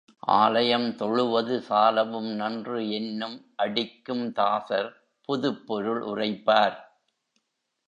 ஆலயந் தொழுவது சாலவும் நன்று என்னும் அடிக்கும் தாசர் புதுப்பொருள் உரைப்பார்.